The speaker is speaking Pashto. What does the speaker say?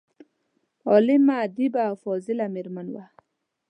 عالمه، ادیبه او فاضله میرمن وه.